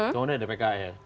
kemudian ada pks